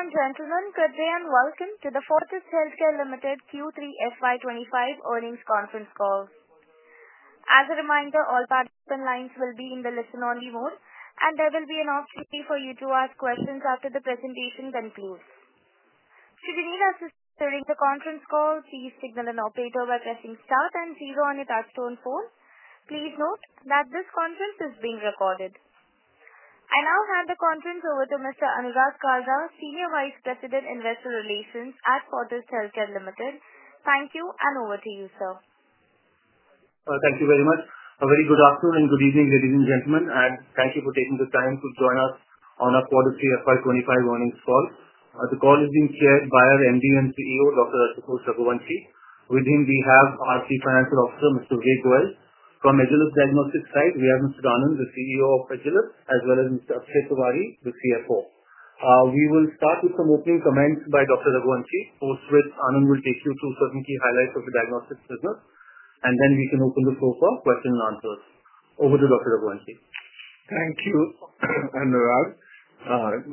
Ladies and gentlemen, good day and welcome to the Fortis Healthcare Limited Q3 FY 2025 Earnings Conference Call. As a reminder, all participant lines will be in the listen-only mode, and there will be an opportunity for you to ask questions after the presentation concludes. Should you need assistance during the conference call, please signal an operator by pressing star and zero on your touch-tone phone. Please note that this conference is being recorded. I now hand the conference over to Mr. Anurag Kalra, Senior Vice President, Investor Relations at Fortis Healthcare Limited. Thank you, and over to you, sir. Thank you very much. A very good afternoon and good evening, ladies and gentlemen, and thank you for taking the time to join us on our quarterly Q3 FY 2025 earnings call. The call is being chaired by our Managing Director and CEO, Dr. Ashutosh Raghuvanshi. With him, we have our Chief Financial Officer, Mr. Vivek Goyal. From Agilus Diagnostics' side, we have Mr. Anand, the CEO of Agilus, as well as Mr. Akshay Tiwari, the CFO. We will start with some opening comments by Dr. Raghuvanshi. Post this, Anand will take you through certain key highlights of the diagnostics business, and then we can open the floor for questions and answers. Over to Dr. Raghuvanshi. Thank you, Anurag.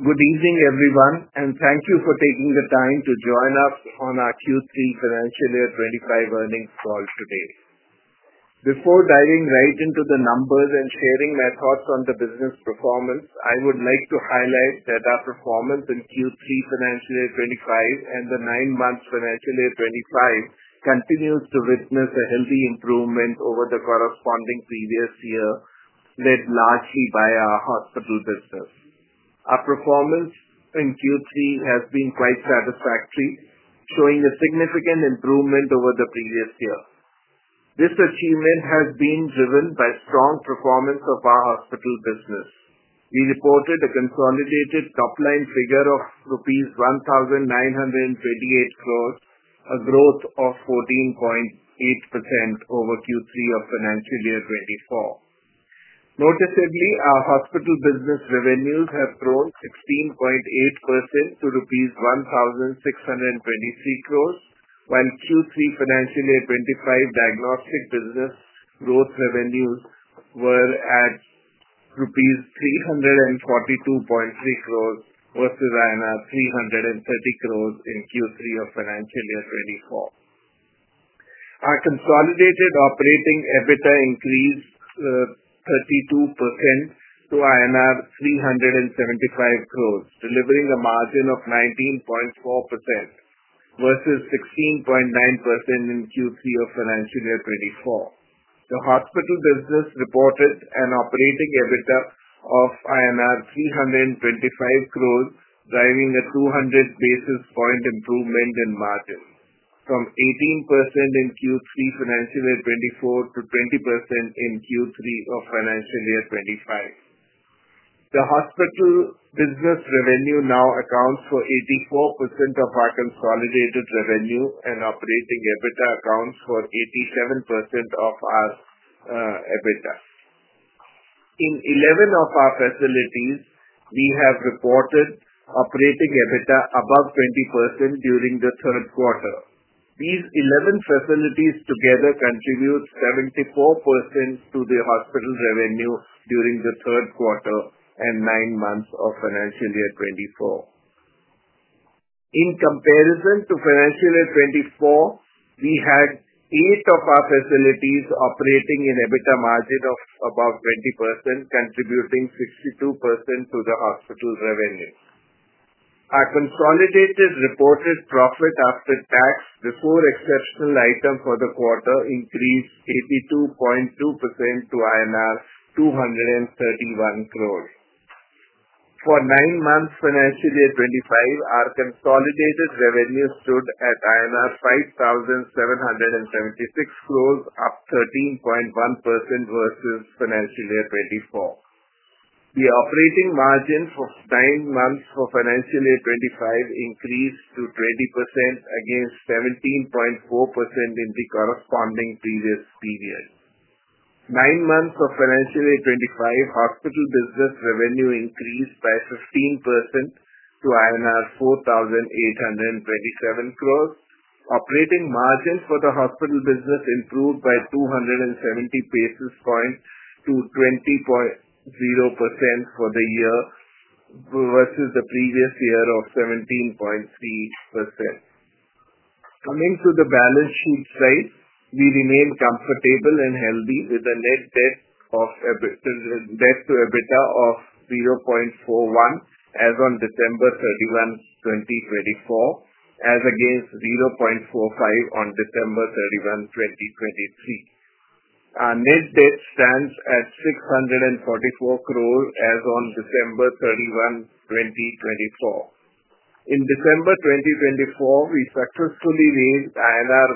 Good evening, everyone, and thank you for taking the time to join us on our Q3 Financial Year 2025 Earnings Call today. Before diving right into the numbers and sharing my thoughts on the business performance, I would like to highlight that our performance in Q3 Financial Year 2025 and the nine-month Financial Year 2025 continues to witness a healthy improvement over the corresponding previous year, led largely by our hospital business. Our performance in Q3 has been quite satisfactory, showing a significant improvement over the previous year. This achievement has been driven by strong performance of our hospital business. We reported a consolidated top-line figure of rupees 1,928 crores, a growth of 14.8% over Q3 of Financial Year 2024. Noticeably, our hospital business revenues have grown 16.8% to rupees 1,623 crores, while Q3 Financial Year 2025 diagnostic business growth revenues were at rupees 342.3 crores versus INR 330 crores in Q3 of Financial Year 2024. Our consolidated operating EBITDA increased 32% to INR 375 crores, delivering a margin of 19.4% versus 16.9% in Q3 of Financial Year 2024. The hospital business reported an operating EBITDA of INR 325 crores, driving a 200 basis point improvement in margin, from 18% in Q3 Financial Year 2024 to 20% in Q3 of Financial Year 2025. The hospital business revenue now accounts for 84% of our consolidated revenue, and operating EBITDA accounts for 87% of our EBITDA. In 11 of our facilities, we have reported operating EBITDA above 20% during the Q3. These 11 facilities together contribute 74% to the hospital revenue during the Q3 and nine months of Financial Year 2024. In comparison to Financial Year 2024, we had eight of our facilities operating in EBITDA margin of about 20%, contributing 62% to the hospital revenue. Our consolidated reported profit after tax, before exceptional items for the quarter, increased 82.2% to INR 231 crores. For nine months Financial Year 2025, our consolidated revenue stood at INR 5,776 crores, up 13.1% versus Financial Year 2024. The operating margin for nine months for Financial Year 2025 increased to 20%, against 17.4% in the corresponding previous period. Nine months of Financial Year 2025, hospital business revenue increased by 15% to INR 4,827 crores. Operating margin for the hospital business improved by 270 basis points to 20.0% for the year versus the previous year of 17.3%. Coming to the balance sheet side, we remain comfortable and healthy with a net debt to EBITDA of 0.41 as on 31 December 2024, as against 0.45 on 31 December 2023. Our net debt stands at 644 crores as on 31 December 2024. In December 2024, we successfully raised INR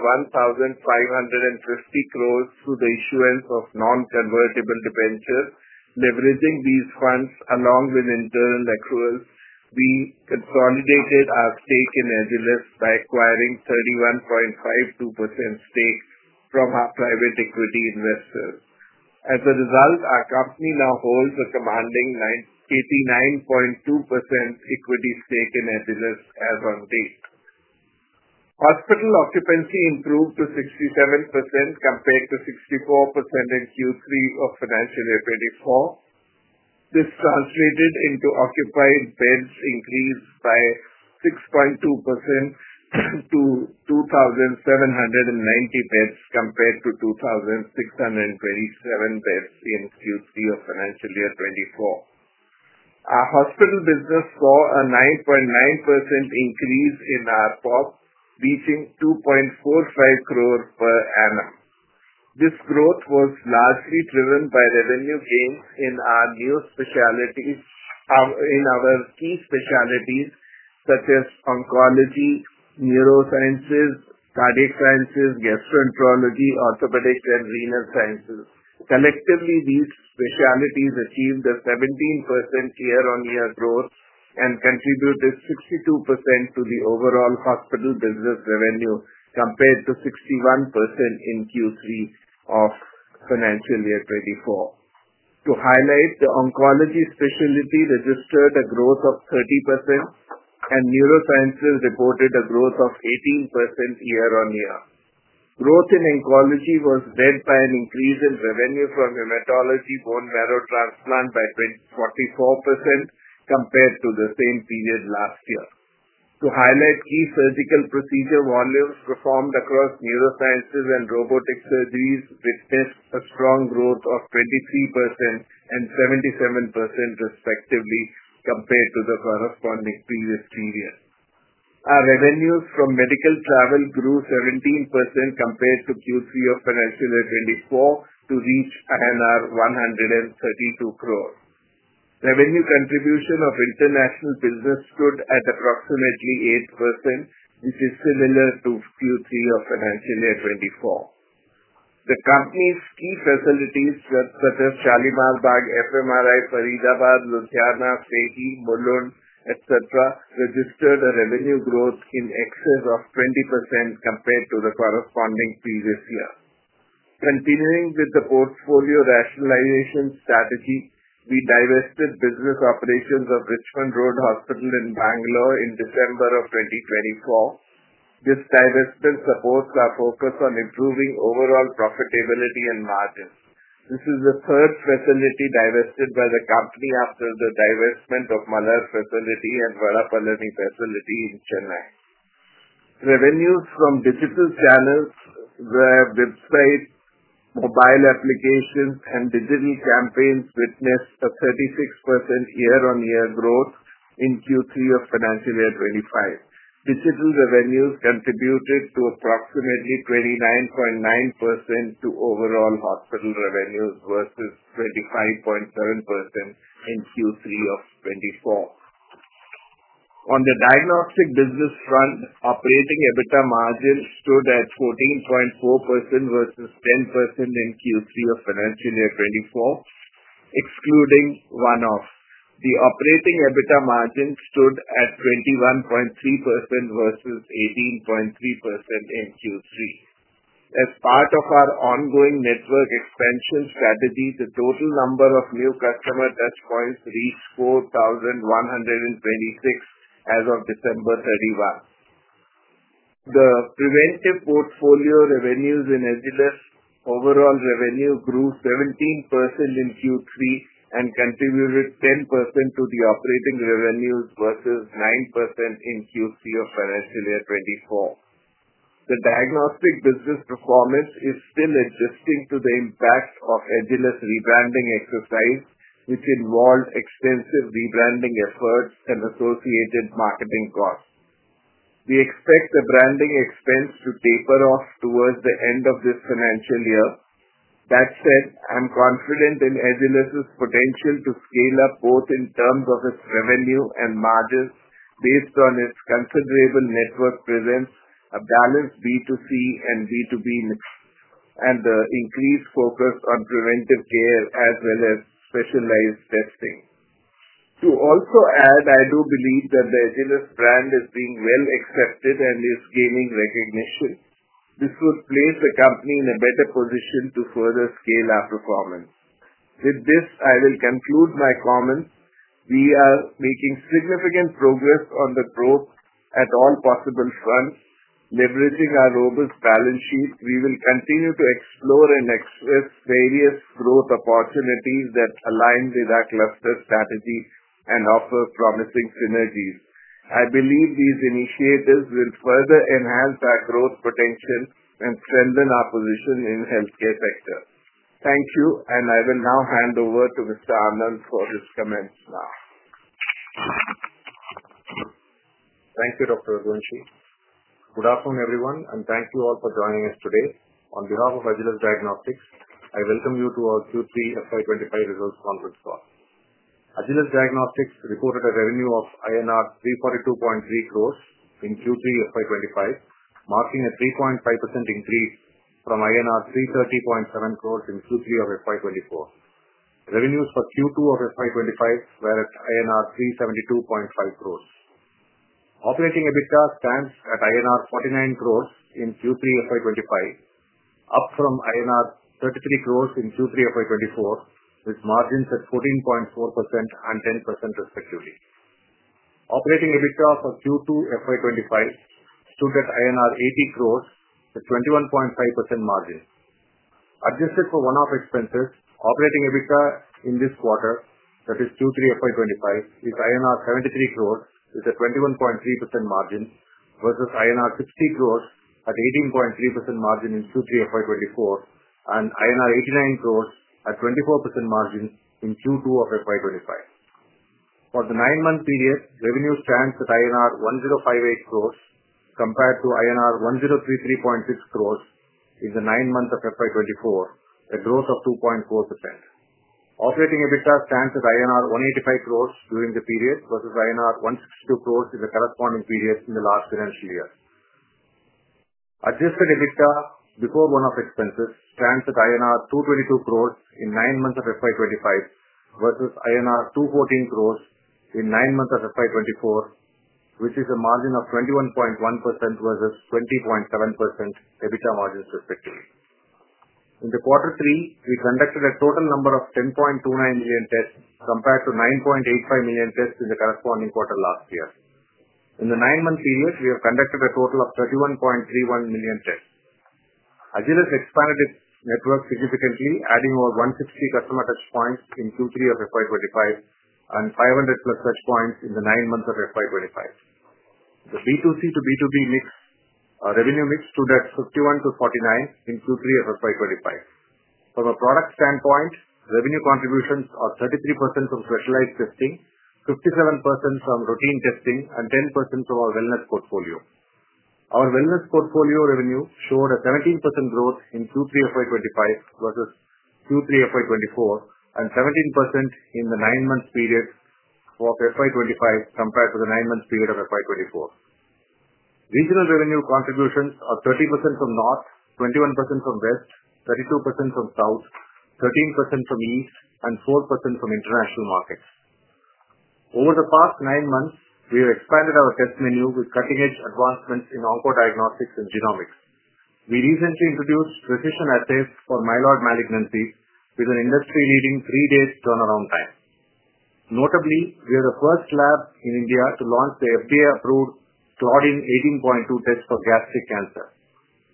1,550 crores through the issuance of non-convertible debentures. Leveraging these funds along with internal accruals, we consolidated our stake in Agilus by acquiring 31.52% stake from our private equity investors. As a result, our company now holds a commanding 89.2% equity stake in Agilus as of date. Hospital occupancy improved to 67% compared to 64% in Q3 of Financial Year 2024. This translated into occupied beds increased by 6.2% to 2,790 beds compared to 2,627 beds in Q3 of Financial Year 2024. Our hospital business saw a 9.9% increase in our ARPOB, reaching 2.45 crores per annum. This growth was largely driven by revenue gains in our new specialties, in our key specialties such as Oncology, Neurosciences, Cardiac Sciences, Gastroenterology, Orthopedics, and Renal Sciences. Collectively, these specialties achieved a 17% year-on-year growth and contributed 62% to the overall hospital business revenue compared to 61% in Q3 of Financial Year 2024. To highlight, the Oncology specialty registered a growth of 30%, and neurosciences reported a growth of 18% year-on-year. Growth in oncology was led by an increase in revenue from Hematology Bone Marrow Transplant by 44% compared to the same period last year. To highlight, key surgical procedure volumes performed across neurosciences and robotic surgeries witnessed a strong growth of 23% and 77% respectively compared to the corresponding previous period. Our revenues from medical travel grew 17% compared to Q3 of Financial Year 2024 to reach INR 132 crores. Revenue contribution of international business stood at approximately 8%, which is similar to Q3 of Financial Year 2024. The company's key facilities such as Shalimar Bagh, FMRI, Faridabad, Ludhiana, FEHI, Mulund, etc., registered a revenue growth in excess of 20% compared to the corresponding previous year. Continuing with the portfolio rationalization strategy, we divested business operations of Richmond Road Hospital in Bengaluru in December of 2024. This divestment supports our focus on improving overall profitability and margins. This is the third facility divested by the company after the divestment of Malar facility and Vadapalani facility in Chennai. Revenues from digital channels, websites, mobile applications, and digital campaigns witnessed a 36% year-on-year growth in Q3 of Financial Year 2025. Digital revenues contributed to approximately 29.9% to overall hospital revenues versus 25.7% in Q3 of 2024. On the diagnostic business front, operating EBITDA margin stood at 14.4% versus 10% in Q3 of Financial Year 2024, excluding one-off. The operating EBITDA margin stood at 21.3% versus 18.3% in Q3. As part of our ongoing network expansion strategy, the total number of new customer touchpoints reached 4,126 as of 31 December 2023. The preventive portfolio revenues in Agilus overall revenue grew 17% in Q3 and contributed 10% to the operating revenues versus 9% in Q3 of Financial Year 2024. The diagnostic business performance is still adjusting to the impact of Agilus rebranding exercise, which involved extensive rebranding efforts and associated marketing costs. We expect the branding expense to taper off towards the end of this financial year. That said, I'm confident in Agilus' potential to scale up both in terms of its revenue and margins based on its considerable network presence, a balanced B2C and B2B mix, and the increased focus on preventive care as well as specialized testing. To also add, I do believe that the Agilus brand is being well accepted and is gaining recognition. This would place the company in a better position to further scale our performance. With this, I will conclude my comments. We are making significant progress on the growth at all possible fronts. Leveraging our robust balance sheet, we will continue to explore and assess various growth opportunities that align with our cluster strategy and offer promising synergies. I believe these initiatives will further enhance our growth potential and strengthen our position in the healthcare sector. Thank you, and I will now hand over to Mr. Anand for his comments now. Thank you, Dr. Raghuvanshi. Good afternoon, everyone, and thank you all for joining us today. On behalf of Agilus Diagnostics, I welcome you to our Q3 FY 2025 results conference call. Agilus Diagnostics reported a revenue of INR 342.3 crores in Q3 FY 2025, marking a 3.5% increase from INR 330.7 crores in Q3 of FY 2023. Revenues for Q2 of FY 2025 were at INR 372.5 crores. Operating EBITDA stands at INR 49 crores in Q3 FY 2025, up from INR 33 crores in Q3 FY 2023, with margins at 14.4% and 10% respectively. Operating EBITDA for Q2 FY 2025 stood at INR 80 crores, with 21.5% margin. Adjusted for one-off expenses, operating EBITDA in this quarter, that is Q3 FY 2025, is INR 73 crores, with a 21.3% margin, versus INR 60 crores at 18.3% margin in Q3 FY 2023 and INR 89 crores at 24% margin in Q2 of FY 2025. For the nine-month period, revenues stand at INR 1058 crores compared to INR 1033.6 crores in the nine months of FY 2023, a growth of 2.4%. Operating EBITDA stands at INR 185 crores during the period versus INR 162 crores in the corresponding period in the last financial year. Adjusted EBITDA before one-off expenses stands at INR 222 crores in nine months of FY 2025 versus INR 214 crores in nine months of FY 2023, which is a margin of 21.1% versus 20.7% EBITDA margins respectively. In the quarter three, we conducted a total number of 10.29 million tests compared to 9.85 million tests in the corresponding quarter last year. In the nine-month period, we have conducted a total of 31.31 million tests. Agilus expanded its network significantly, adding over 160 customer touchpoints in Q3 of FY 2025 and 500 plus touchpoints in the nine months of FY 2025. The B2C to B2B revenue mix stood at 51 to 49 in Q3 of FY 2025. From a product standpoint, revenue contributions are 33% from specialized testing, 57% from routine testing, and 10% from our wellness portfolio. Our wellness portfolio revenue showed a 17% growth in Q3 FY 2025 versus Q3 FY 2023 and 17% in the nine-month period of FY 2025 compared to the nine-month period of FY 2023. Regional revenue contributions are 30% from north, 21% from west, 32% from south, 13% from east, and 4% from international markets. Over the past nine months, we have expanded our test menu with cutting-edge advancements in oncodiagnostics and genomics. We recently introduced precision assays for myeloid malignancies with an industry-leading three-day turnaround time. Notably, we are the first lab in India to launch the FDA-approved Claudin 18.2 test for gastric cancer.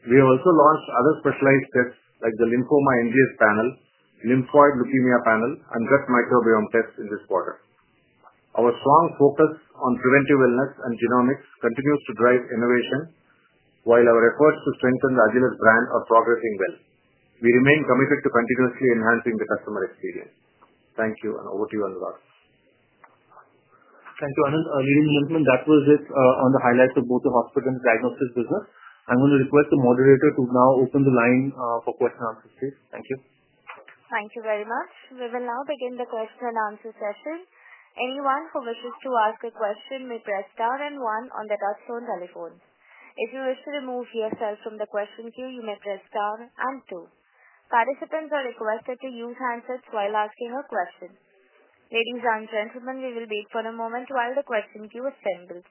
We have also launched other specialized tests like the lymphoma NGS panel, lymphoid leukemia panel, and gut microbiome tests in this quarter. Our strong focus on preventive wellness and genomics continues to drive innovation, while our efforts to strengthen the Agilus brand are progressing well. We remain committed to continuously enhancing the customer experience. Thank you, and over to you, Anurag. Thank you, Anand. Ladies and gentlemen, that was it on the highlights of both the hospital and diagnostic business. I'm going to request the moderator to now open the line for question and answers, please. Thank you. Thank you very much. We will now begin the question and answer session. Anyone who wishes to ask a question may press star and one on the touch-tone telephone. If you wish to remove yourself from the question queue, you may press star and two. Participants are requested to use handsets while asking a question. Ladies and gentlemen, we will wait for a moment while the question queue assembles.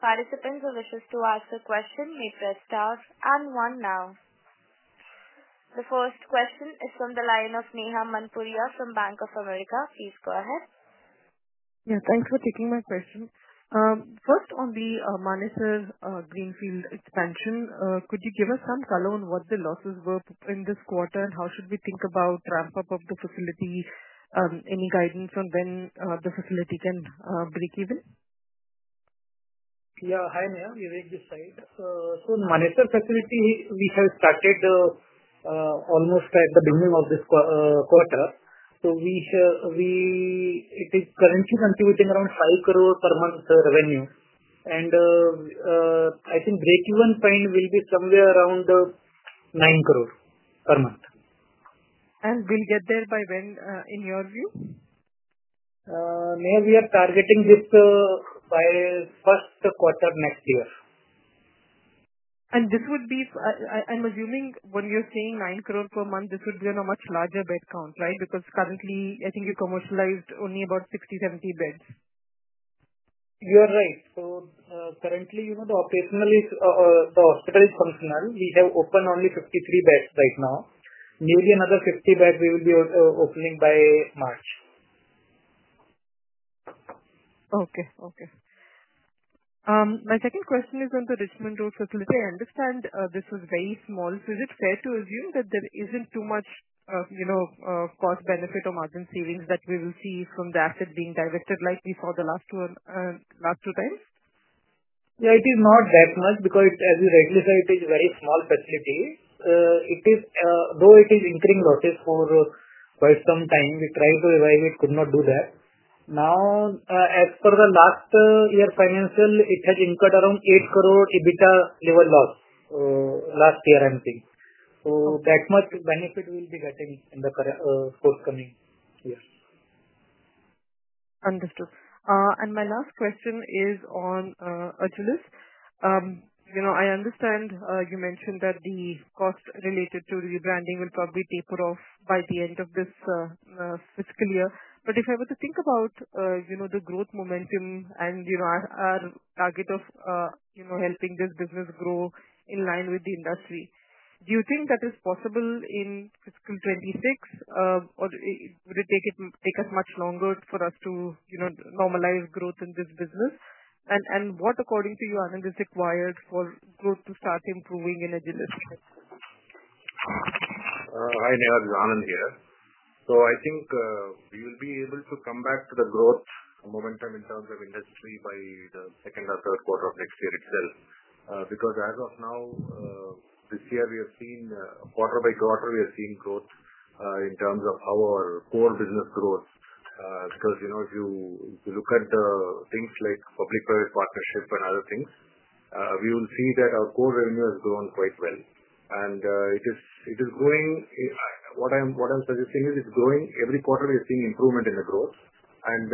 Participants who wishes to ask a question may press star and one now. The first question is from the line of Neha Manpuria from Bank of America. Please go ahead. Yeah, thanks for taking my question. First, on the Manesar greenfield expansion, could you give us some color on what the losses were in this quarter and how should we think about ramp-up of the facility? Any guidance on when the facility can break even? Yeah, hi Neha. Vivek here. So the Manesar facility, we have started almost at the beginning of this quarter. So it is currently contributing around 5 crores per month revenue. And I think break-even point will be somewhere around 9 crores per month. And we'll get there by when, in your view? Neha, Vivek, we are targeting this by Q1 next year. And this would be, I'm assuming when you're saying 9 crores per month, this would be on a much larger bed count, right? Because currently, I think you commercialized only about 60-70 beds. You're right. So currently, the operational is the hospital is functional. We have opened only 53 beds right now. Maybe another 50 beds we will be opening by March. Okay. Okay. My second question is on the Richmond Road facility. I understand this was very small. So is it fair to assume that there isn't too much cost-benefit or margin savings that we will see from the asset being divested like we saw the last two times? Yeah, it is not that much because, as you rightly said, it is a very small facility. Though it is incurring losses for quite some time, we tried to evaluate it, could not do that. Now, as per the last year financial, it has incurred around 8 crores EBITDA level loss last year, I'm thinking. So that much benefit we'll be getting in the forthcoming year. Understood. My last question is on Agilus. I understand you mentioned that the cost related to rebranding will probably taper off by the end of this fiscal year, but if I were to think about the growth momentum and our target of helping this business grow in line with the industry, do you think that is possible in fiscal 2026, or would it take us much longer for us to normalize growth in this business? And what, according to you, Anand, is required for growth to start improving in Agilus? Hi Neha, Vivek, Anand here, so I think we will be able to come back to the growth momentum in terms of industry by the second or Q3 of next year itself. Because as of now, this year we have seen quarter by quarter, we have seen growth in terms of our core business growth. Because if you look at things like public-private partnership and other things, we will see that our core revenue has grown quite well, and it is growing. What I'm suggesting is it's growing. Every quarter, we are seeing improvement in the growth, and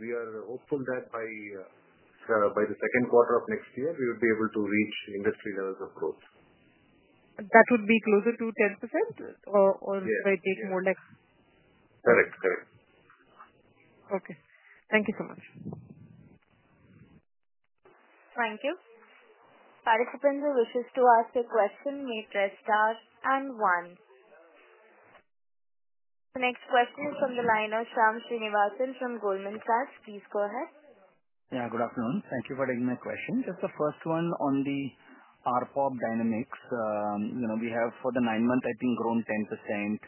we are hopeful that by the Q2 of next year, we will be able to reach industry levels of growth. That would be closer to 10%, or should I take more like? Correct. Correct. Okay. Thank you so much. Thank you. Participants who wishes to ask a question may press star and one. The next question is from the line of Shyam Srinivasan from Goldman Sachs. Please go ahead. Yeah, good afternoon. Thank you for taking my question. Just the first one on the ARPOB dynamics. We have, for the nine months, I think grown 10%.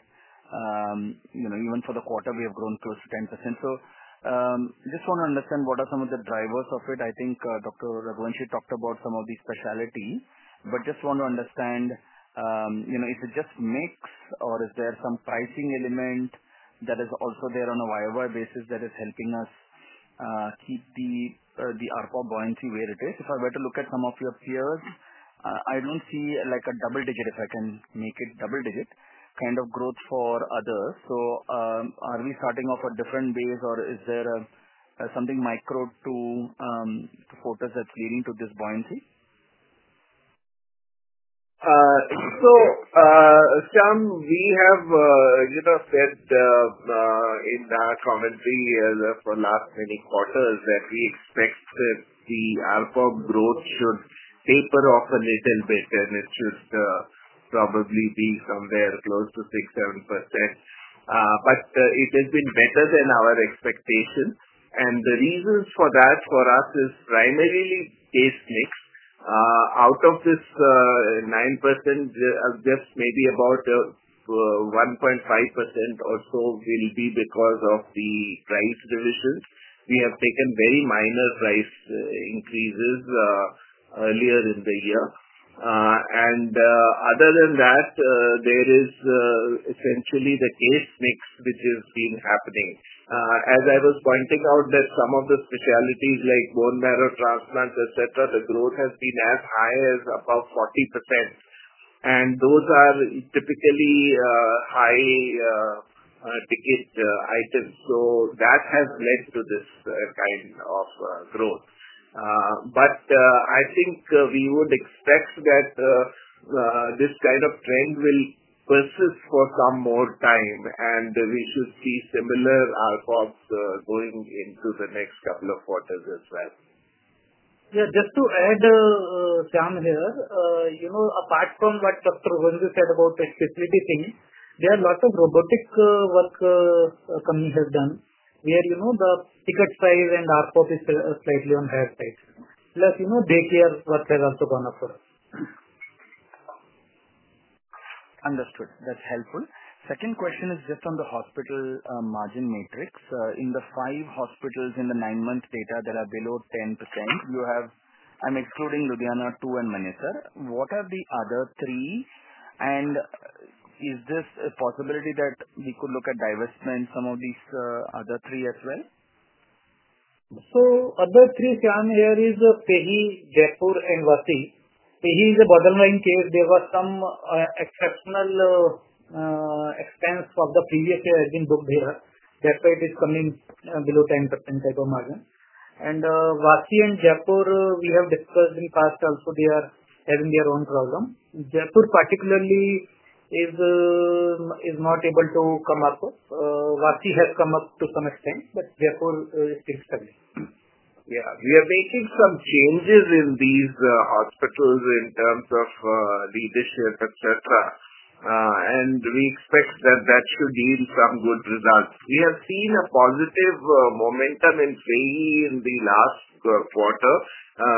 Even for the quarter, we have grown close to 10%. So just want to understand what are some of the drivers of it. I think Dr. Raghuvanshi talked about some of the specialty. But just want to understand, is it just mix, or is there some pricing element that is also there on a year-on-year basis that is helping us keep the ARPOB buoyancy where it is? If I were to look at some of your peers, I don't see a double-digit, if I can make it double-digit, kind of growth for others. So are we starting off a different base, or is there something macro to quarters that's leading to this buoyancy? So Sham, we have said in our commentary for last many quarters that we expect that the ARPOB growth should taper off a little bit, and it should probably be somewhere close to 6-7%. But it has been better than our expectation. And the reasons for that for us is primarily case mix. Out of this 9%, just maybe about 1.5% or so will be because of the price revisions. We have taken very minor price increases earlier in the year. And other than that, there is essentially the case mix which has been happening. As I was pointing out that some of the specialties like bone marrow transplants, etc., the growth has been as high as above 40%. And those are typically high-ticket items. So that has led to this kind of growth. But I think we would expect that this kind of trend will persist for some more time, and we should see similar APOBs going into the next couple of quarters as well. Yeah, just to add, Sham here, apart from what Dr.Raghuvanshi said about the facility thing, there are lots of robotic work company has done where the ticket size and ARPOB is slightly on higher side. Plus, daycare work has also gone up for us. Understood. That's helpful. Second question is just on the hospital margin matrix. In the five hospitals in the nine-month data that are below 10%, you have, I'm excluding Ludhiana too, and Manesar. What are the other three? And is this a possibility that we could look at divestment, some of these other three as well? So other three, Sham, here is Mulund, Jaipur, and Vashi. Mulund, the bottom-line case, there was some exceptional expense for the previous year has been booked here. That's why it is coming below 10% type of margin. And Vashi and Jaipur, we have discussed in past also, they are having their own problem. Jaipur particularly is not able to come up. Vashi has come up to some extent, but Jaipur is still struggling. Yeah. We are making some changes in these hospitals in terms of leadership, etc., and we expect that that should yield some good results. We have seen a positive momentum in FEHI in the last quarter,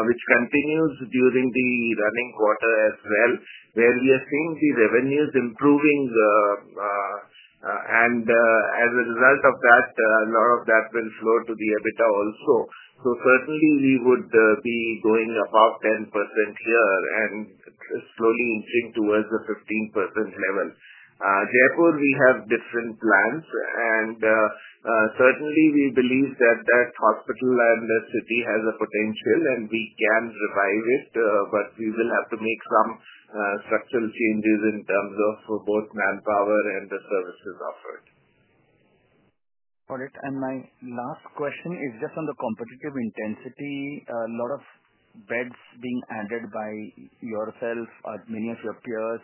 which continues during the running quarter as well, where we are seeing the revenues improving, and as a result of that, a lot of that will flow to the EBITDA also, so certainly, we would be going above 10% here and slowly inching towards the 15% level. Jaipur, we have different plans, and certainly, we believe that that hospital and the city has a potential, and we can revive it, but we will have to make some structural changes in terms of both manpower and the services offered. Got it, and my last question is just on the competitive intensity. A lot of beds being added by yourself, many of your peers.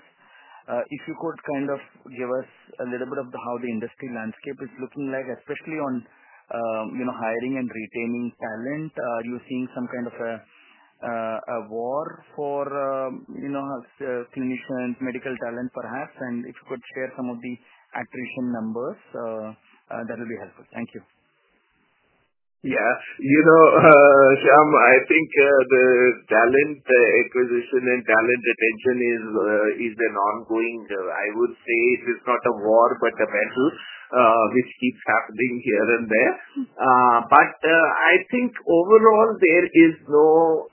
If you could kind of give us a little bit of how the industry landscape is looking like, especially on hiring and retaining talent, are you seeing some kind of a war for clinicians, medical talent, perhaps? And if you could share some of the attrition numbers, that will be helpful. Thank you. Yeah. Sham, I think the talent acquisition and talent retention is an ongoing, I would say it is not a war, but a battle which keeps happening here and there. But I think overall, there is no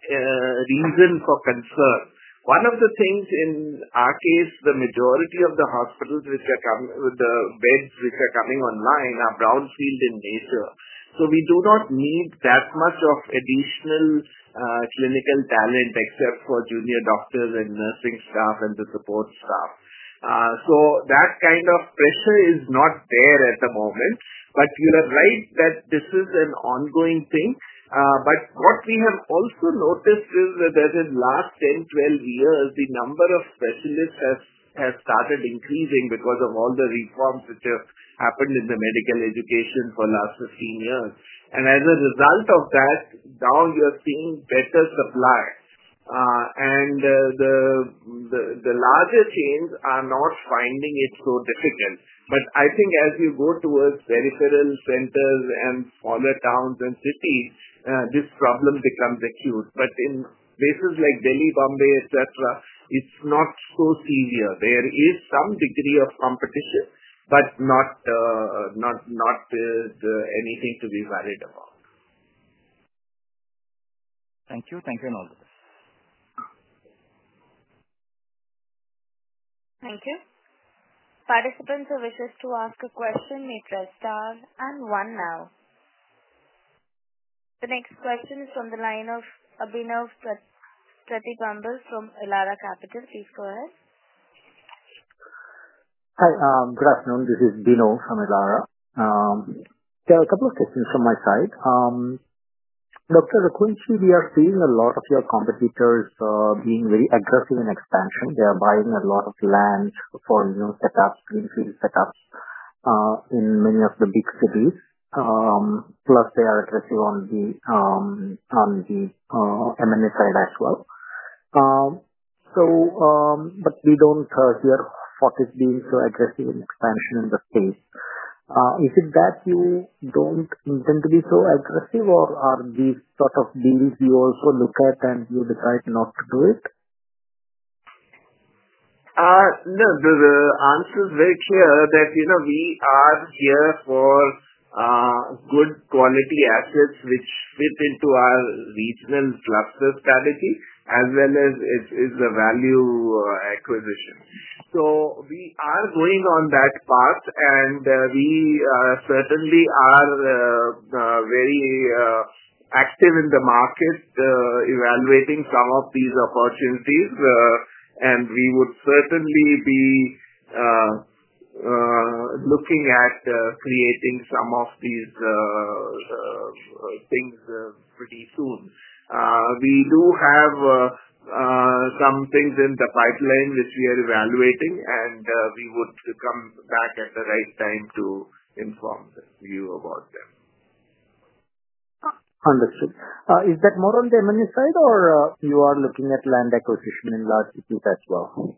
reason for concern. One of the things in our case, the majority of the hospitals which are coming with the beds which are coming online are brownfield in nature. We do not need that much of additional clinical talent except for junior doctors and nursing staff and the support staff. That kind of pressure is not there at the moment. But you are right that this is an ongoing thing. But what we have also noticed is that in the last 10, 12 years, the number of specialists has started increasing because of all the reforms which have happened in the medical education for the last 15 years. As a result of that, now you're seeing better supply. The larger chains are not finding it so difficult. But I think as you go towards peripheral centers and smaller towns and cities, this problem becomes acute. But in places like Delhi, Bombay, etc., it's not so severe. There is some degree of competition, but not anything to be worried about. Thank you. Thank you and all the best. Thank you. Participants who wishes to ask a question may press star and one now. The next question is from the line of Bino Pathiparampil from Elara Capital. Please go ahead. Hi. Good afternoon. This is Bino from Elara. There are a couple of questions from my side. Dr. Raghuvanshi, we are seeing a lot of your competitors being very aggressive in expansion. They are buying a lot of land for new setups, greenfield setups in many of the big cities. Plus, they are aggressive on the M&A side as well. But we don't hear why you are not being so aggressive in expansion at this stage. Is it that you don't intend to be so aggressive, or are these sort of deals you also look at and you decide not to do it? No, the answer is very clear that we are here for good quality assets which fit into our regional cluster strategy, as well as it is a value acquisition. So we are going on that path, and we certainly are very active in the market evaluating some of these opportunities. And we would certainly be looking at creating some of these things pretty soon. We do have some things in the pipeline which we are evaluating, and we would come back at the right time to inform you about them. Understood. Is that more on the M&A side, or you are looking at land acquisition in large cities as well?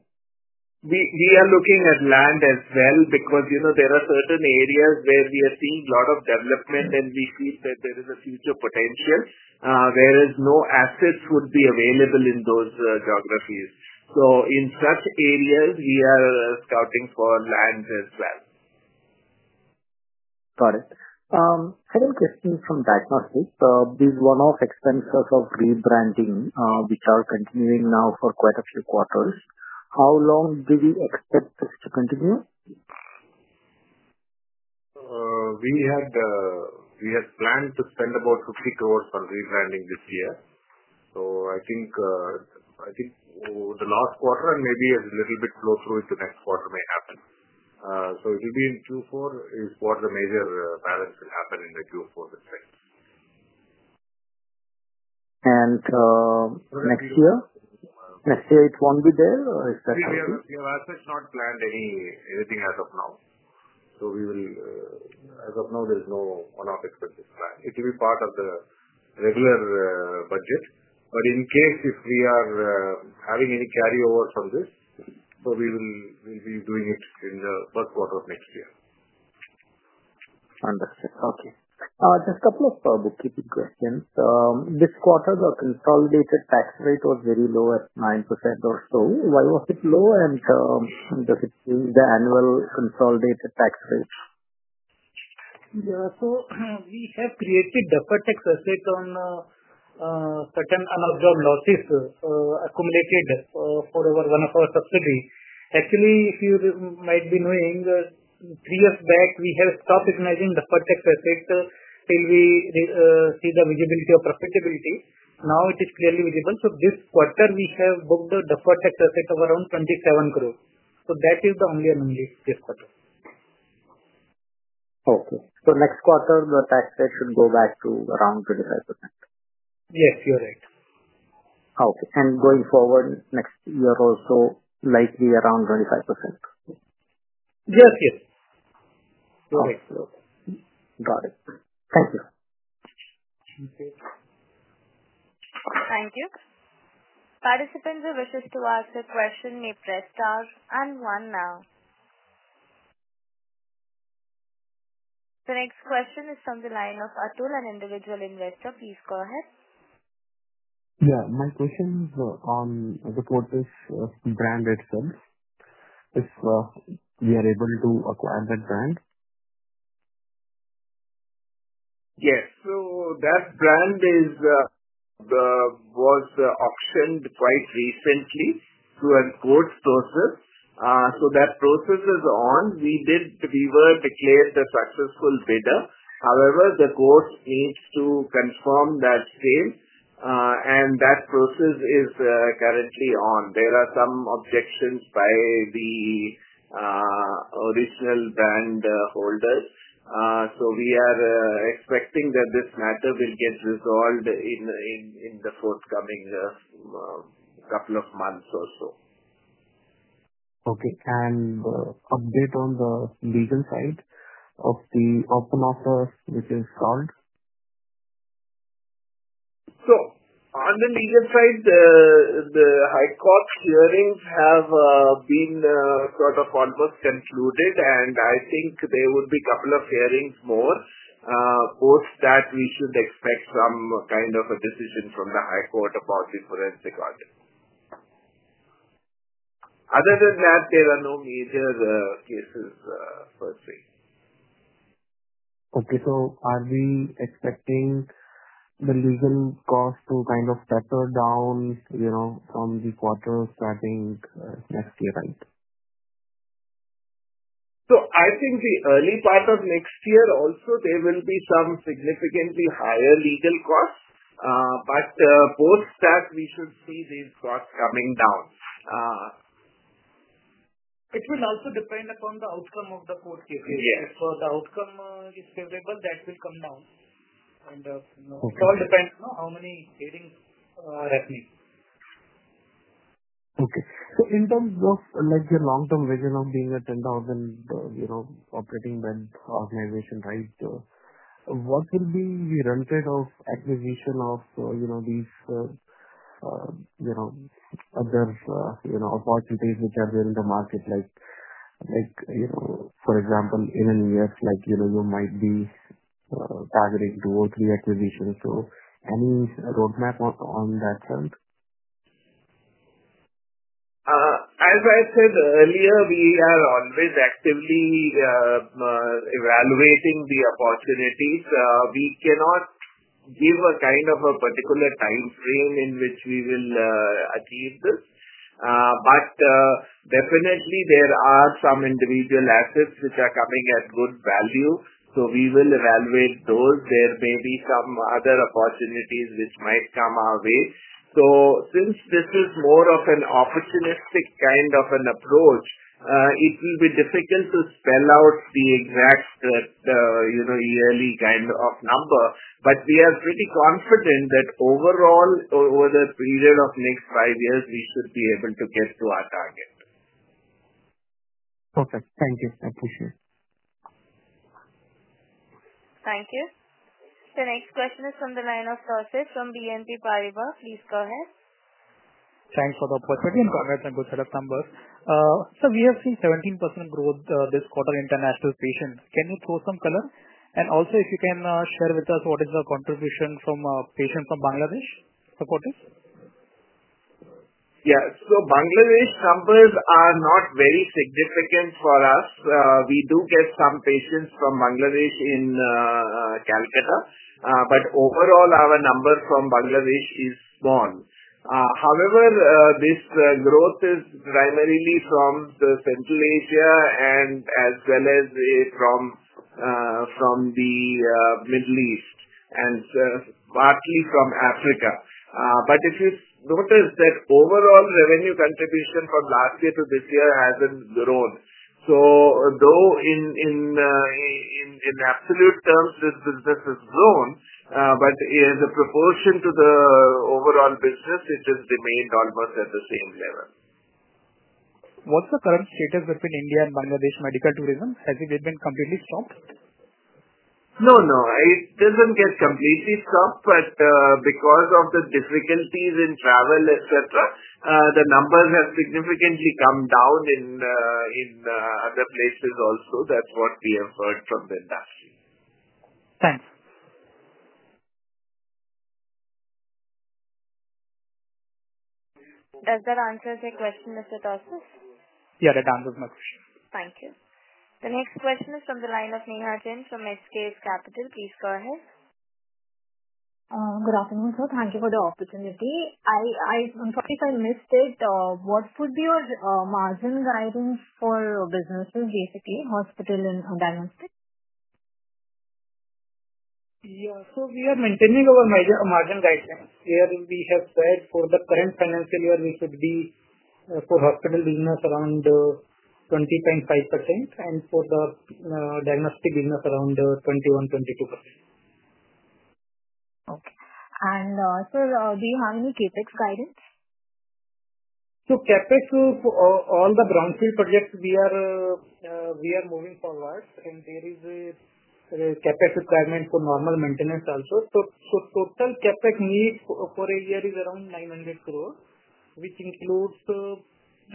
We are looking at land as well because there are certain areas where we are seeing a lot of development, and we feel that there is a future potential, whereas no assets would be available in those geographies. So in such areas, we are scouting for land as well Got it. Second question from diagnostics. These one-off expenses of rebranding, which are continuing now for quite a few quarters, how long do we expect this to continue? We had planned to spend about 50 crores on rebranding this year. So I think the last quarter and maybe a little bit flow through into next quarter may happen. So it will be in Q4 is what the major balance will happen in the Q4 respect. And next year? Next year, it won't be there, or is that something? We have not planned anything as of now. So as of now, there is no one-off expenses planned. It will be part of the regular budget. But in case if we are having any carryovers from this, so we will be doing it in the Q1 of next year. Understood. Okay. Just a couple of bookkeeping questions. This quarter, the consolidated tax rate was very low at 9% or so. Why was it low, and does it change the annual consolidated tax rate? Yeah. So we have created Deferred Tax Asset on certain unabsorbed losses accumulated for one of our subsidiary. Actually, if you might be knowing, three years back, we had stopped recognizing Deferred Tax Asset till we see the visibility of profitability. Now it is clearly visible. So this quarter, we have booked Deferred Tax Asset of around 27 crores. So that is the only and only this quarter. Okay. So next quarter, the tax rate should go back to around 25%? Yes, you're right. Okay. And going forward, next year also likely around 25%? Yes, yes. You're right Got it. Thank you. Thank you. Participants who wishes to ask a question may press star and one now. The next question is from the line of Atul, an individual investor. Please go ahead. Yeah. My question is on the quarter's brand itself. If we are able to acquire that brand. Yes. So that brand was auctioned quite recently through a quote process. So that process is on. We were declared a successful bidder. However, the court needs to confirm that sale, and that process is currently on. There are some objections by the original brand holders. So we are expecting that this matter will get resolved in the forthcoming couple of months or so. Okay. And update on the legal side of the open offer which is called? So on the legal side, the high court hearings have been sort of almost concluded, and I think there would be a couple of hearings more. Post that, we should expect some kind of a decision from the high court about this forensic audit. Other than that, there are no major cases per se. Okay. So are we expecting the legal cost to kind of settle down from the quarter starting next year, right? So I think the early part of next year, also, there will be some significantly higher legal costs. But post that, we should see these costs coming down. It will also depend upon the outcome of the court case. If the outcome is favorable, that will come down. And it all depends on how many hearings are happening. Okay. So in terms of your long-term vision of being a 10,000 operating bed organization, right, what will be your plan for acquisition of these other opportunities which are there in the market? For example, in a year, you might be targeting two or three acquisitions. So any roadmap on that front? As I said earlier, we are always actively evaluating the opportunities. We cannot give a kind of a particular time frame in which we will achieve this. But definitely, there are some individual assets which are coming at good value. So we will evaluate those. There may be some other opportunities which might come our way. So since this is more of an opportunistic kind of an approach, it will be difficult to spell out the exact yearly kind of number. But we are pretty confident that overall, over the period of next five years, we should be able to get to our target. Perfect. Thank you. I appreciate it. Thank you. The next question is from the line of Saurabh from BNP Paribas. Please go ahead. Thanks for the opportunity and congrats on good setup numbers. So we have seen 17% growth this quarter in international patients. Can you throw some color? And also, if you can share with us what is the contribution from patients from Bangladesh, for quarters? Yeah. So Bangladesh numbers are not very significant for us. We do get some patients from Bangladesh in Calcutta. But overall, our number from Bangladesh is small. However, this growth is primarily from Central Asia and as well as from the Middle East and partly from Africa. But if you notice that overall revenue contribution from last year to this year hasn't grown. So though in absolute terms, this business has grown, but the proportion to the overall business, it has remained almost at the same level. What's the current status between India and Bangladesh medical tourism? Has it been completely stopped? No, no. It doesn't get completely stopped. But because of the difficulties in travel, etc., the numbers have significantly come down in other places also. That's what we have heard from the industry. Thanks. Does that answer the question, Mr. Those? Yeah, that answers my question. Thank you. The next question is from the line of Sneha Jain from SKS Capital. Please go ahead. Good afternoon, sir. Thank you for the opportunity. I'm sorry if I missed it. What would be your margin guidance for businesses, basically, hospital and diagnostics? Yeah. So we are maintaining our margin guidelines. We have said for the current financial year, we should be for hospital business around 20.5% and for the diagnostic business around 21%-22%. Okay. And sir, do you have any CapEx guidance? So CapEx, all the brownfield projects, we are moving forward. And there is a CapEx requirement for normal maintenance also. So total CapEx need for a year is around 900 crore, which includes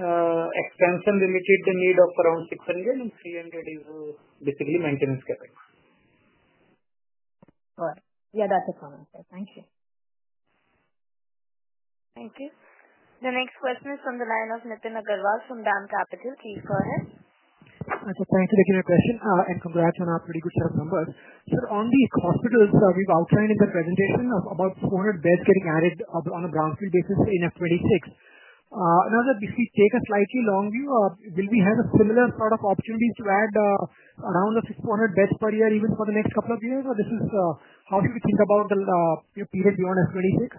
expansion-related need of around 600 crore, and 300 crore is basically maintenance CapEx. All right. Yeah, that's a comment. Thank you. Thank you. The next question is from the line of Nitin Agarwal from DAM Capital. Please go ahead. Thanks for taking my question. And congrats on a pretty good set of numbers. Sir, on the hospitals, we've outlined in the presentation of about 400 beds getting added on a brownfield basis in FY 2026. Now, if we take a slightly long view, will we have a similar sort of opportunities to add around the 600 beds per year even for the next couple of years? Or this is how should we think about the period beyond FY 2026?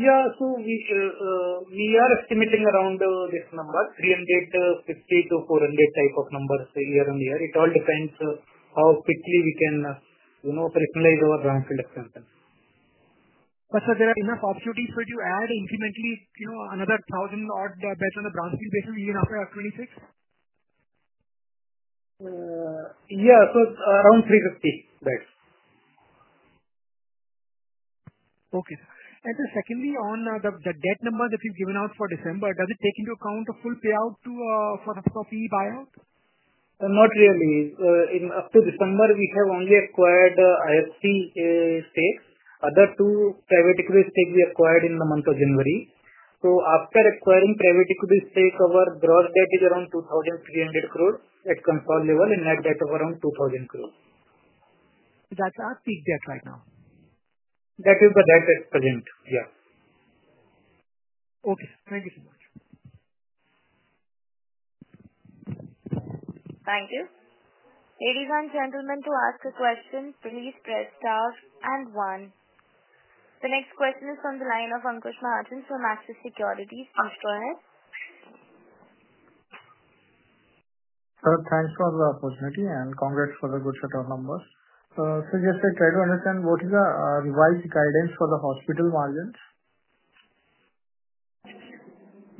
Yeah. So we are estimating around this number, 350 to 400 type of numbers year on year. It all depends how quickly we can personalize our brownfield expansion. But sir, there are enough opportunities for you to add incrementally another 1,000-odd beds on a brownfield basis even after FY 2026? Yeah. So around 350 beds. Okay. And then secondly, on the debt number that you've given out for December, does it take into account a full payout for the fee buyout? Not really. Up to December, we have only acquired IFC stakes. Other two private equity stakes we acquired in the month of January. So after acquiring private equity stake, our gross debt is around 2,300 crore at consolidated level and net debt of around 2,000 crore. That's our peak debt right now. That is the debt at present. Yeah. Okay. Thank you so much. Thank you. Ladies and gentlemen, to ask a question, please press star and one. The next question is from the line of Ankush Mahajan from Axis Securities. Please go ahead. Thanks for the opportunity and congrats for the good set of numbers. So, Jesse, try to understand what is the revised guidance for the hospital margins?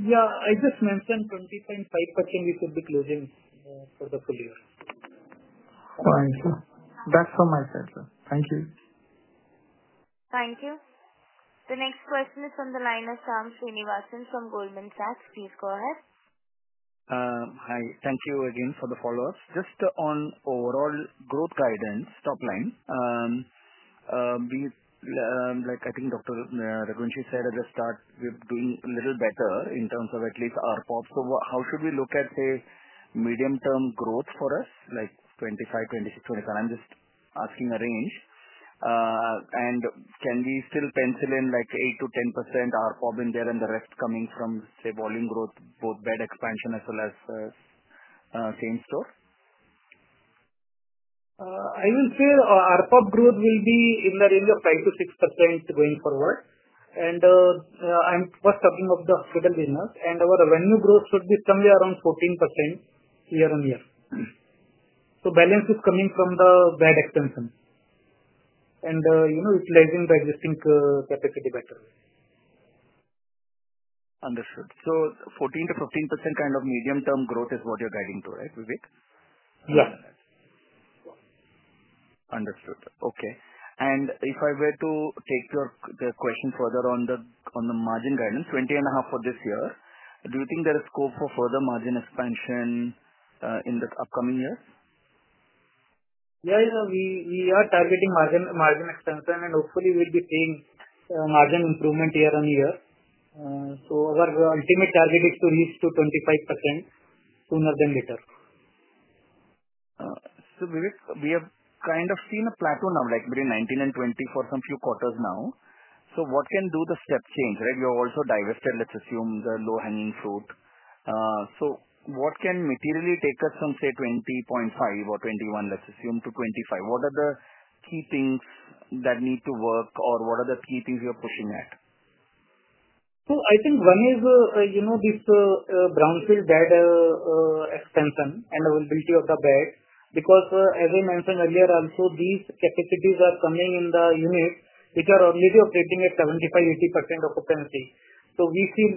Yeah. I just mentioned 20.5% we should be closing for the full year. Thank you. That's from my side, sir. Thank you. Thank you. The next question is from the line of Shyam Srinivasan from Goldman Sachs. Please go ahead. Hi. Thank you again for the follow-ups. Just on overall growth guidance top line, I think Dr. Raghuvanshi said at the start we're doing a little better in terms of at least ARPOB. So how should we look at, say, medium-term growth for us, like 25, 26, 27? I'm just asking a range. Can we still pencil in like 8-10% ARPOB in there and the rest coming from, say, volume growth, both bed expansion as well as chain store? I will say ARPOB growth will be in the range of 5 to 6% going forward. I'm first talking of the hospital business. Our revenue growth should be somewhere around 14% year on year. Balance is coming from the bed expansion and utilizing the existing capacity better. Understood. 14% to 15% kind of medium-term growth is what you're guiding to, right, Vivek? Yes. Understood. Okay. If I were to take your question further on the margin guidance, 20 and a half for this year, do you think there is scope for further margin expansion in the upcoming years? Yeah. We are targeting margin expansion, and hopefully, we'll be seeing margin improvement year on year. Our ultimate target is to reach 25% sooner than later. Vivek, we have kind of seen a plateau now, like between 19% and 20% for some few quarters now. What can do the step change, right? You're also divested, let's assume, the low-hanging fruit. What can materially take us from, say, 20.5% or 21%, let's assume, to 25%? What are the key things that need to work, or what are the key things you're pushing at? I think one is this brownfield bed expansion and availability of the bed. Because, as I mentioned earlier, also, these capacities are coming in the units which are already operating at 75% to 80% occupancy. We see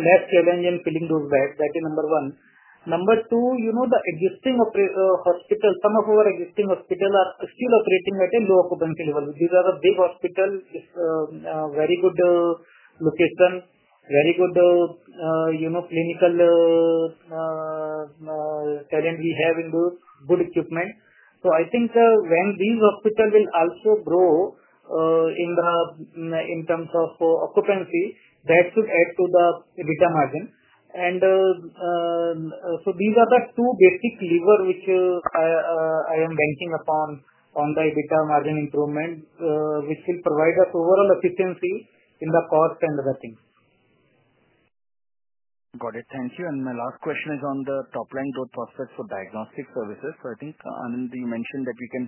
less challenge in filling those beds. That is number one. Number two, the existing hospitals, some of our existing hospitals are still operating at a low occupancy level. These are the big hospitals, very good location, very good clinical talent we have in good equipment. So I think when these hospitals will also grow in terms of occupancy, that should add to the EBITDA margin. And so these are the two basic levers which I am banking upon on the EBITDA margin improvement, which will provide us overall efficiency in the cost and other things. Got it. Thank you. And my last question is on the top line growth prospects for diagnostic services. So I think, Anand, you mentioned that we can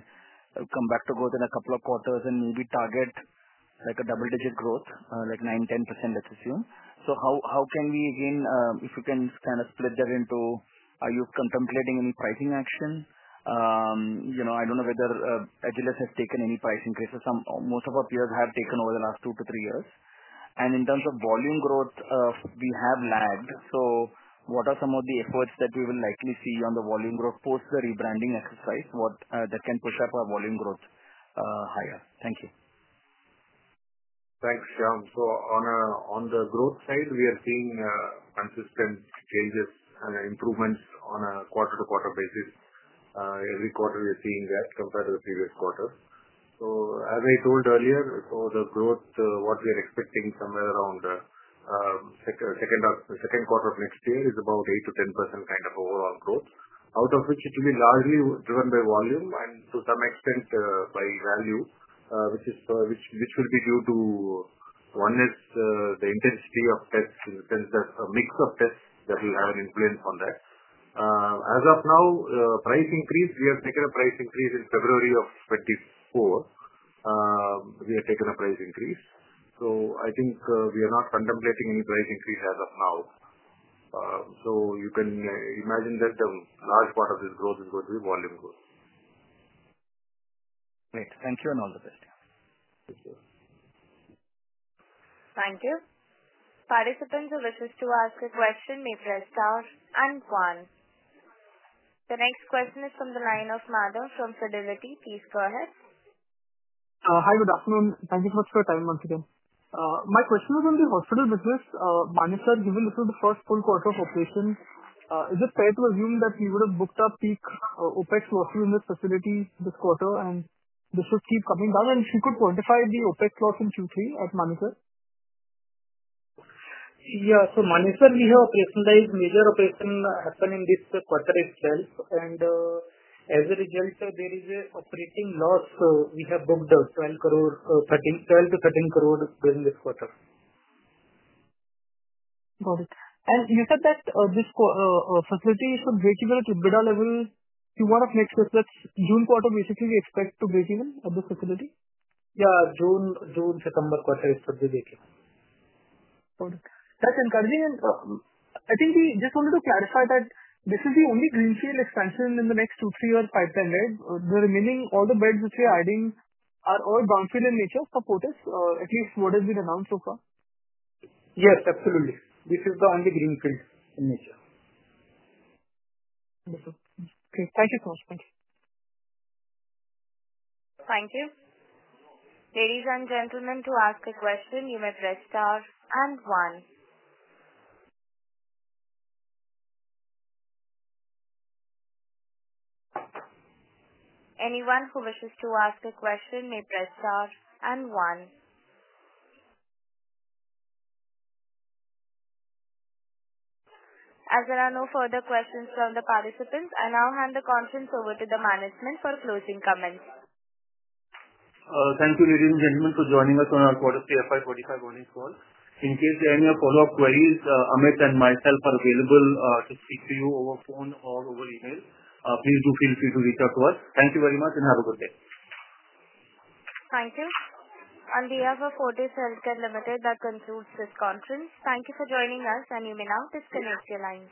come back to growth in a couple of quarters and maybe target a double-digit growth, like 9% to 10%, let's assume. So, how can we, again, if we can kind of split that into, are you contemplating any pricing action? I don't know whether Agilus has taken any price increases. Most of our peers have taken over the last two to three years. And in terms of volume growth, we have lagged. So, what are some of the efforts that we will likely see on the volume growth post the rebranding exercise that can push up our volume growth higher? Thank you. Thanks, Sham. So, on the growth side, we are seeing consistent changes and improvements on a quarter-to-quarter basis. Every quarter, we are seeing that compared to the previous quarter. So, as I told earlier, so the growth what we are expecting somewhere around Q2 of next year is about 8% to 10% kind of overall growth, out of which it will be largely driven by volume and, to some extent, by value, which will be due to, one, is the intensity of tests in the sense that a mix of tests that will have an influence on that. As of now, price increase. We have taken a price increase in February of 2024. We have taken a price increase. So I think we are not contemplating any price increase as of now. So you can imagine that a large part of this growth is going to be volume growth. Great. Thank you, and all the best. You too. Thank you. Participants who wish to ask a question may press star and one. The next question is from the line of Madhav from Fidelity. Please go ahead. Hi. Good afternoon. Thank you so much for your time once again. My question was on the hospital business. Manesar, given this is the first full quarter of operation, is it fair to assume that we would have booked a peak OpEx loss within this facility this quarter, and this should keep coming down? And if you could quantify the OpEx loss in Q3 at Manesar? Yeah. So, Manesar, we have a personalized major operation happen in this quarter itself. And as a result, there is an operating loss we have booked of 12 to 13 crore during this quarter. Got it. And you said that this facility should break even at EBITDA level. Do you want to make sure that June quarter, basically, we expect to break even at this facility? Yeah. June-September quarter is supposed to break even. Got it. That's encouraging. And I think we just wanted to clarify that this is the only greenfield expansion in the next two, three or five decades. The remaining, all the beds which we are adding are all brownfield in nature for quarters, at least what has been announced so far? Yes, absolutely. This is the only greenfield in nature. Okay. Thank you so much. Thank you. Thank you. Ladies and gentlemen, to ask a question, you may press star and one. Anyone who wishes to ask a question may press star and one. As there are no further questions from the participants, I now hand the conference over to the management for closing comments. Thank you, ladies and gentlemen, for joining us on our quarterly FY 2025 earnings call. In case there are any follow-up queries, Amit and myself are available to speak to you over phone or over email. Please do feel free to reach out to us. Thank you very much, and have a good day. Thank you. On behalf of Fortis Healthcare Limited, that concludes this conference. Thank you for joining us, and you may now disconnect your line.